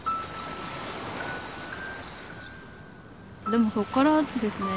でもそっからですね